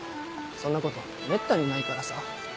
そんなことめったにないからさ。